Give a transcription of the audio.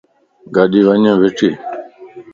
ڳاڏي وڃي بيٺي